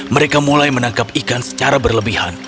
mereka mulai menangkap ikan secara berlebihan